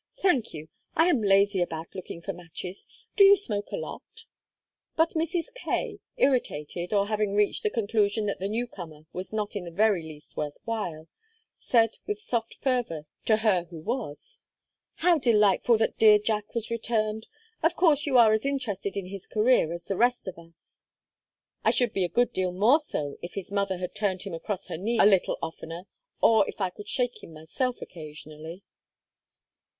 "Thank you. I am lazy about looking for matches. Do you smoke a lot?" But Mrs. Kaye, irritated, or having reached the conclusion that the newcomer was not in the very least worth while, said with soft fervor to her who was: "How delightful that dear Jack was returned! Of course you are as interested in his career as the rest of us." "I should be a good deal more so if his mother had turned him across her knee a little oftener or if I could shake him myself occasionally."